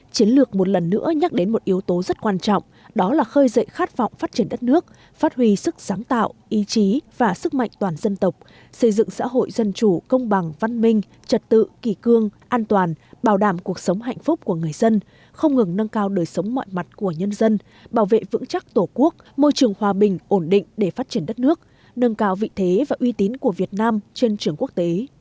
chiến lược một lần nữa nhắc đến một yếu tố rất quan trọng đó là khơi dậy khát vọng phát triển đất nước phát huy sức sáng tạo ý chí và sức mạnh toàn dân tộc xây dựng xã hội dân chủ công bằng văn minh trật tự kỳ cương an toàn bảo đảm cuộc sống hạnh phúc của người dân không ngừng nâng cao đời sống mọi mặt của nhân dân bảo vệ vững chắc tổ quốc môi trường hòa bình ổn định để phát triển đất nước nâng cao vị thế và uy tín của việt nam trên trường quốc tế